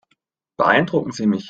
Beeindrucken Sie mich.